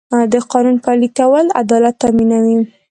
د قانون پلي کول عدالت تامینوي.